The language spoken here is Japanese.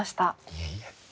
いえいえ。